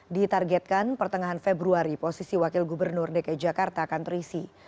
ditargetkan pertengahan februari posisi wakil gubernur dki jakarta akan terisi